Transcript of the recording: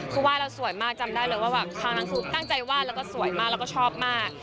คือวาดเราสวยมากจำได้เลยว่าแบบข้างหลังคือตั้งใจวาดแล้วก็สวยมากแล้วก็ชอบมาก